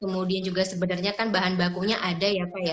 kemudian juga sebenarnya kan bahan bakunya ada ya pak ya